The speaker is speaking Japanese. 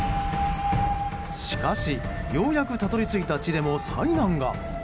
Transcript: しかし、ようやくたどり着いた地でも災難が。